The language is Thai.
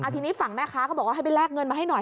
ทีนี้ฝั่งแม่ค้าก็บอกว่าให้ไปแลกเงินมาให้หน่อย